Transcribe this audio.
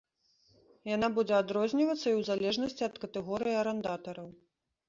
Яна будзе адрознівацца і ў залежнасці ад катэгорый арандатараў.